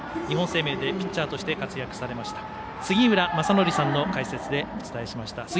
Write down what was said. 日本生命でピッチャーとして活躍されました杉浦正則さんの解説でお伝えしました。